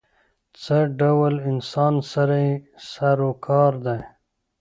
له څه ډول انسان سره یې سر و کار دی.